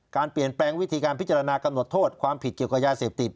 การเปลี่ยนแปลงวิธีการพิจารณากำหนดโทษความผิดเกี่ยวกับยาเสพติด